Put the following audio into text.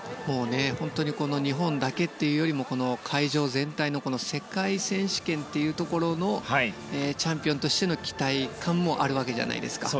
日本だけというよりも会場全体の世界体操というところのチャンピオンとしての期待感もあるわけじゃないですか。